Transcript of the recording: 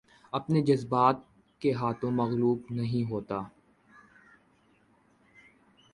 اپنے جذبات کے ہاتھوں مغلوب نہیں ہوتا